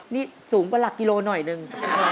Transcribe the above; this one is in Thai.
นี่สูงกว่าหลักกิโลหน่อยหนึ่ง